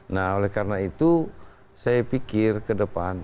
nah oleh karena itu saya pikir ke depan